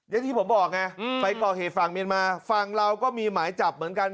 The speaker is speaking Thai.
ได้ที่ผมบอกไงฝรั่งเมียนมาฝั่งเราก็มีหมายจับเหมือนกัน